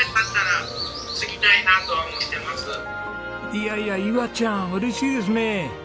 いやいやいわちゃん嬉しいですね。